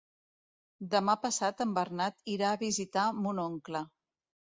Demà passat en Bernat irà a visitar mon oncle.